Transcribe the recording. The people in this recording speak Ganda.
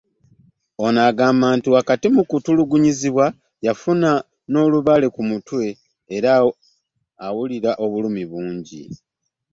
Ono agamba nti, wakati mu kutulugunyizibwa yafuna n’olubale ku mutwe era awulira obulumi bungi.